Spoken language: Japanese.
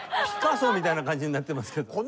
ピカソみたいな感じになってますけど。